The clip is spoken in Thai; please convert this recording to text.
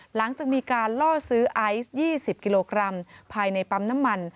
หลังจากมีการล่อซื้อไอซ์๒๐กิโลกรัมภายในปั๊มน้ำมัน